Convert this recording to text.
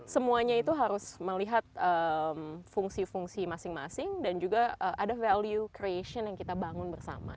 semuanya itu harus melihat fungsi fungsi masing masing dan juga ada value creation yang kita bangun bersama